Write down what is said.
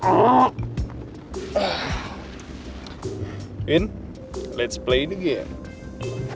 udah gue kayak mengganggu errornya